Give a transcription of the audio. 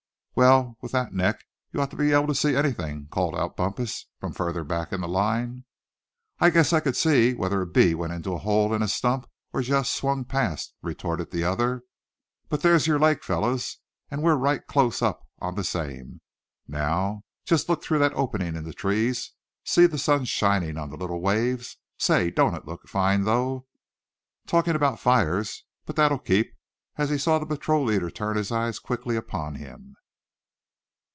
"Well, with that neck you ought to be able to see anything," called out Bumpus, from further back in the line. "I guess I could see whether a bee went into a hole in a stump, or just swung past," retorted the other. "But there's your lake, fellows; and we're right close up on the same, now. Just look through that opening in the trees; see the sun shining on the little waves. Say, don't it look fine, though? Talking about fires but that'll keep," as he saw the patrol leader turn his eyes quickly upon him.